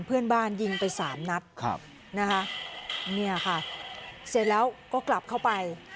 เพื่อนบ้านยิงไปสามนัดครับนะคะเนี่ยค่ะเสร็จแล้วก็กลับเข้าไป